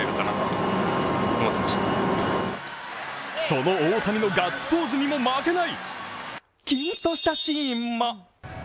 その大谷のガッツポーズにも負けないキュンとしたシーンも。